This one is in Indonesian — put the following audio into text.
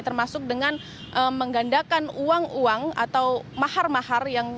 termasuk dengan menggandakan uang uang atau mahar mahar